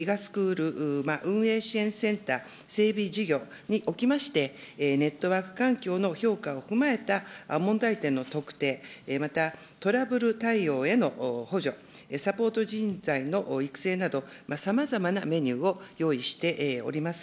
分かりやすい好事例や、さまざまな研修機会を切れ目なく提供するとともに、ＧＩＧＡスクール運営支援センター整備事業におきまして、ネットワーク環境の強化を踏まえた問題点の特定、またトラブル対応への補助、サポート人材の育成など、さまざまなメニューを用意しております。